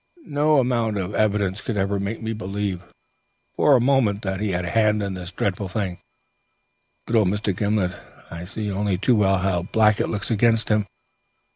No amount of evidence could ever make me believe for a moment that he had a hand in this dreadful thing, but oh, Mr. Gimblet, I see only too well how black it looks against him.